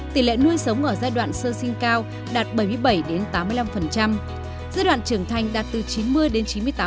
tỷ lệ nuôi sống ở giai đoạn sơ sinh cao đạt bảy mươi bảy tám mươi năm giai đoạn trưởng thành đạt từ chín mươi đến chín mươi tám